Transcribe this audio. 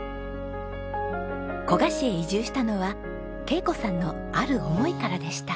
古河市へ移住したのは恵子さんのある思いからでした。